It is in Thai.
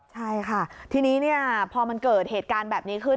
ใช่ค่ะทีนี้พอมันเกิดเหตุการณ์แบบนี้ขึ้น